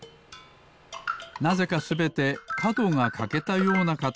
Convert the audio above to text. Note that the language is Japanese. なぜかすべてかどがかけたようなかたちをしています。